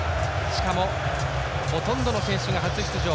しかも、ほとんどの選手が初出場。